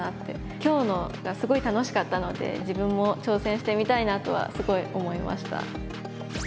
今日のがすごい楽しかったので自分も挑戦してみたいなとはすごい思いました。